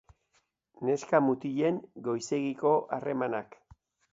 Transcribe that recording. Neska-mutilen goizegiko harremanak.